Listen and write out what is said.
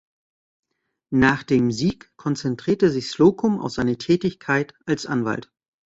Nach dem Sieg konzentrierte sich Slocum auf seine Tätigkeit als Anwalt.